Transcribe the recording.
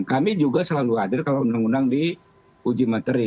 kami juga selalu hadir kalau undang undang di uji materi